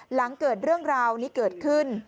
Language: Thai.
หลังเกิดเรื่องราวนี้เกิดขึ้น